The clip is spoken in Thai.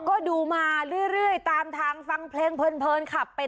ก็ดูมาเรื่อยตามทางฟังเพลงเพลินขับไป